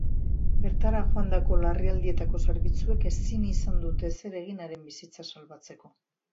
Bertara joandako larrialdietako zerbitzuek ezin izan dute ezer egin haren bizitza salbatzeko.